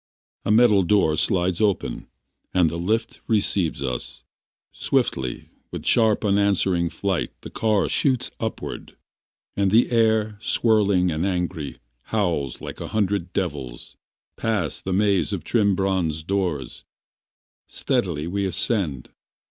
A metal door slides open, And the lift receives us. Swiftly, with sharp unswerving flight The car shoots upward, And the air, swirling and angry, Howls like a hundred devils. Past the maze of trim bronze doors, Steadily we ascend.